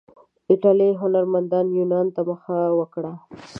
ایټالیایي هنرمندانو یونان ته مخه وکړه.